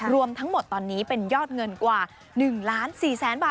รวมทั้งหมดตอนนี้เป็นยอดเงินกว่า๑๔๐๐๐๐๐บาทแล้วค่ะ